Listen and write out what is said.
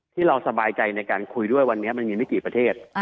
ที่เราสบายใจในการคุยด้วยวันนี้มันมีไม่กี่ประเทศ